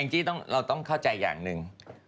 แอ้นจี่ต้องเข้าใจอย่างนึง